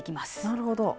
なるほど。